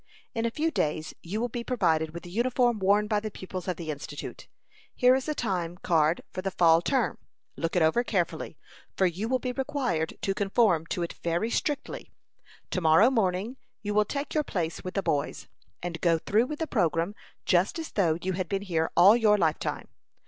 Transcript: In a few days you will be provided with the uniform worn by the pupils of the Institute. Here is a time card for the fall term. Look it over carefully, for you will be required to conform to it very strictly. To morrow morning you will take your place with the boys, and go through with the programme just as though you had been here all your lifetime.